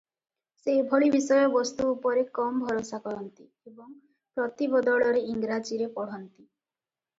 ସେ ଏଭଳି ବିଷୟବସ୍ତୁ ଉପରେ କମ ଭରସା କରନ୍ତି ଏବଂ ପ୍ରତିବଦଳରେ ଇଂରାଜୀରେ ପଢ଼ନ୍ତି ।